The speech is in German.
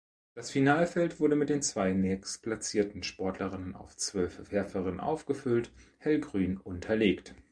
Das Finalfeld wurde mit den zwei nächstplatzierten Sportlerinnen auf zwölf Werferinnen aufgefüllt (hellgrün unterlegt).